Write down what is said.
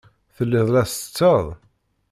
Telliḍ la tsetteḍ?